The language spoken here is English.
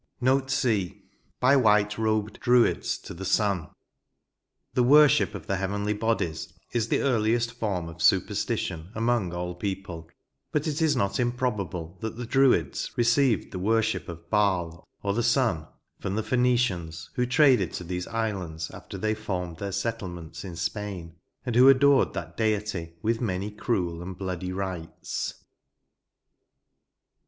'' By whiie robed Druids to the sm," The worship of the heavenly bodies is the earliest form of superstition among all people ; but it is not improbable that the Druids received the worship of Baal or the sun from the Phoe nicians, who traded to these islands after they formed their settlements in Spain, and who adored that deity with many cruel and bloody rites.